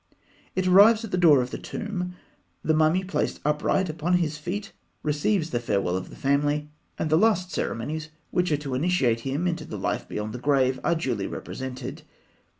It arrives at the door of the tomb. The mummy, placed upright upon his feet, receives the farewell of his family; and the last ceremonies, which are to initiate him into the life beyond the grave, are duly represented (fig.